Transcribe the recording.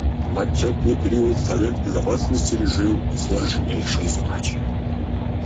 В отчетный период Совет Безопасности решал сложнейшие задачи.